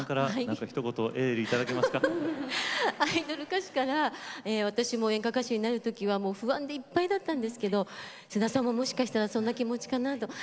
アイドル歌手から私も演歌歌手になる時不安でいっぱいだったんですがもしかしたらそんな気持ちかなと。